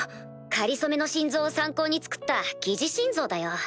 かりそめの心臓を参考に作った疑似心臓だよ。